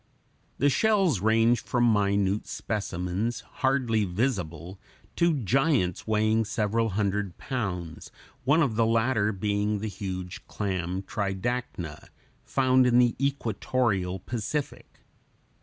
The shells range from minute specimens hardly visible to giants weighing several hundred pounds, one of the latter being the huge clam, Tridacna (Fig. 88), found in the equatorial Pacific.